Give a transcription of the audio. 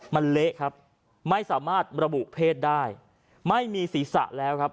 มันเละครับไม่สามารถระบุเพศได้ไม่มีศีรษะแล้วครับ